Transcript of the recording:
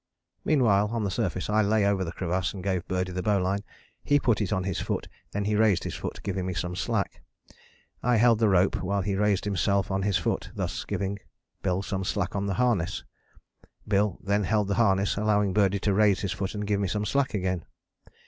" Meanwhile on the surface I lay over the crevasse and gave Birdie the bowline: he put it on his foot: then he raised his foot, giving me some slack: I held the rope while he raised himself on his foot, thus giving Bill some slack on the harness: Bill then held the harness, allowing Birdie to raise his foot and give me some slack again.